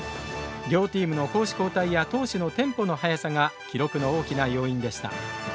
両チームの攻守交代や投手のテンポの速さが記録の大きな要因でした。